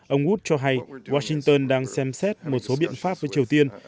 ông gut cho hay washington đang xem xét một số biện pháp với triều tiên